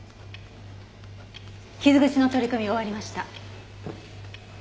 傷口の取り込み終わりました。